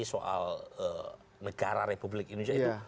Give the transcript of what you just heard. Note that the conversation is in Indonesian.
soal negara republik indonesia itu